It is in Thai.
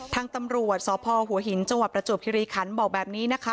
ทางตำรวจสพหัวหินจังหวัดประจวบคิริคันบอกแบบนี้นะคะ